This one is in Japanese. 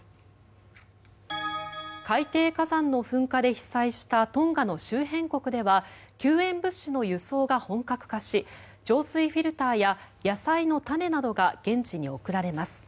海底火山の噴火で被災したトンガの周辺国では救援物資の輸送が本格化し浄水フィルターや野菜の種などが現地に送られます。